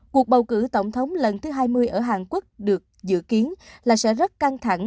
cuộc bầu cử tổng thống lần thứ hai mươi ở hàn quốc được dự kiến là sẽ rất căng thẳng